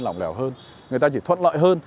lỏng lẻo hơn người ta chỉ thuận lợi hơn